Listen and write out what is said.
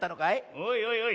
おいおいおい。